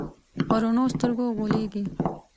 په رڼو سترګو غولېږي.